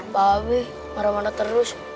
bawe marah marah terus